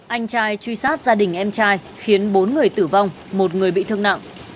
anh trai truy sát gia đình em trai khiến bốn người tử vong một người bị thương nặng